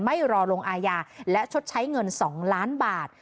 ไม่รอลงอาญาและชดใช้เงิน๒ล้านบาท